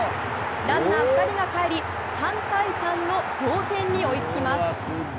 ランナー２人がかえり３対３の同点に追いつきます。